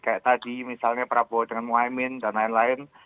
kayak tadi misalnya prabowo dengan muhaymin dan lain lain